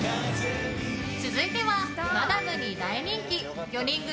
続いては、マダムに大人気４人組